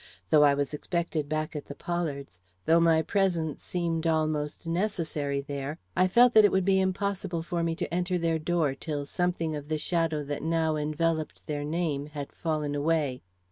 Though I was expected back at the Pollards', though my presence seemed almost necessary there, I felt that it would be impossible for me to enter their door till something of the shadow that now enveloped their name had fallen away.